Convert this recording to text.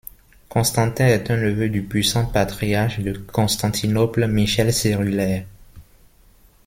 Constantin est un neveu du puissant patriarche de Constantinople Michel Cérulaire.